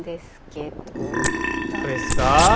誰すか？